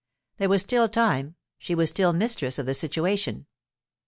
There was still time; she was still mistress of the situation.